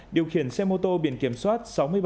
điều khiển xe mô tô biển kiểm soát sáu mươi bảy